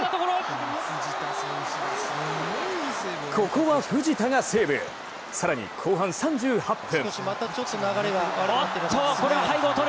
ここは藤田がセーブ更に後半３８分。